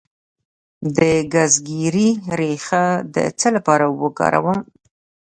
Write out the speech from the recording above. د ګزګیرې ریښه د څه لپاره وکاروم؟